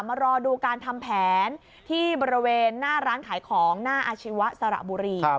มารอดูการทำแผนที่บริเวณหน้าร้านขายของหน้าอาชีวะสระบุรี